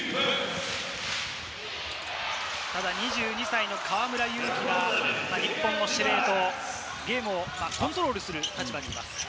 ただ２２歳の河村勇輝が日本の司令塔、ゲームをコントロールする立場にいます。